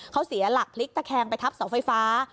เขาเสียหลักพลิกตะแคงไปทับเสาไฟฟ้า